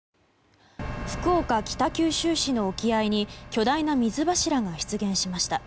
福岡・北九州市の沖合に巨大な水柱が出現しました。